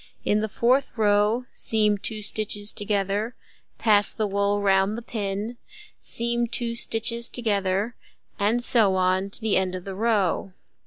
In the fourth row, seam 2 stitches together, pass the wool round the pin, seam 2 together, and so on to the end of the row.